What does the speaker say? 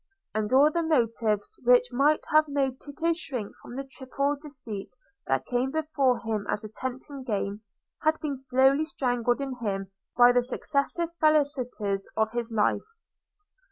And all the motives which might have made Tito shrink from the triple deceit that came before him as a tempting game, had been slowly strangled in him by the successive falsities of his life.